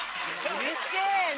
うるせえな。